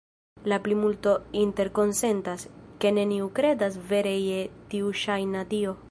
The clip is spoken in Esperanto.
La plimulto interkonsentas, ke neniu kredas vere je tiu ŝajna dio.